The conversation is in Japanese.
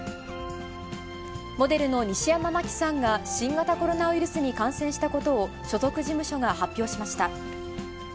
モデルの西山茉希さんが、新型コロナウイルスに感染したことを、所属事務所が発表しました。